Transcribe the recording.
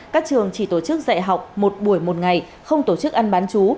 các trường chỉ tổ chức dạy học một buổi một ngày không tổ chức ăn bán chú